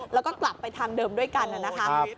แล้วก็กลับไปทางเดิมด้วยกันนะครับ